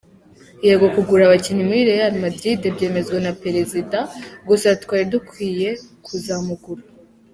Yego kugura abakinnyi muri Real Madrid byemezwa na perezida gusa twari dukwiye kuzamugura.